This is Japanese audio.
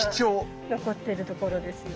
残っているところです。